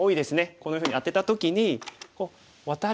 こんなふうにアテた時にワタる手。